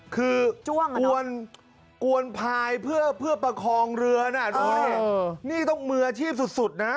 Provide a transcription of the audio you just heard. คือกวนพายเพื่อประคองเรือน่ะโดยนี่ต้องมืออาชีพสุดนะ